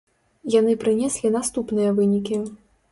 Яны прынеслі наступныя вынікі.